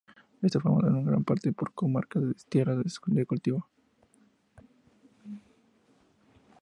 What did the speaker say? Está formado en gran parte por comarcas de tierras de cultivo.